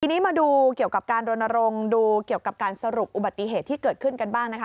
ทีนี้มาดูเกี่ยวกับการรณรงค์ดูเกี่ยวกับการสรุปอุบัติเหตุที่เกิดขึ้นกันบ้างนะคะ